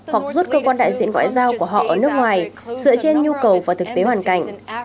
hoặc rút cơ quan đại diện ngoại giao của họ ở nước ngoài dựa trên nhu cầu và thực tế hoàn cảnh